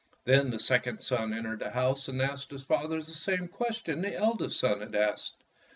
Then the second son entered the house and asked his father the same question the eldest son had asked.